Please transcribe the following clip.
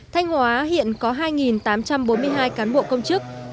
thanh hóa hiện có hai tám trăm bốn mươi hai cán bộ công chức